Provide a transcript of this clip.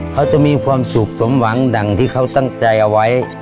เขาจะมีความสุขสมหวังดังที่เขาตั้งใจเอาไว้